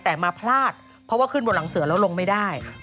แต่มาพลาดเพราะว่าขึ้นบนหลังเสือแล้วลงไม่ได้